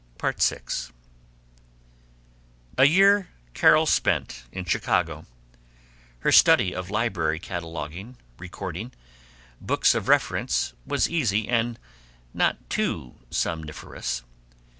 VI A year Carol spent in Chicago. Her study of library cataloguing, recording, books of reference, was easy and not too somniferous.